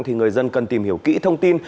thì người dân cần tìm hiểu kỹ thông tin